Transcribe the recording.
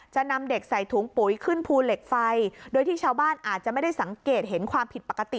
จะนำเด็กใส่ถุงปุ๋ยขึ้นภูเหล็กไฟโดยที่ชาวบ้านอาจจะไม่ได้สังเกตเห็นความผิดปกติ